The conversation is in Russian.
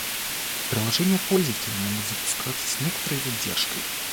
Приложения пользователя могут запускаться с некоторой задержкой